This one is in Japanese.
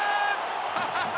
ハハハハ！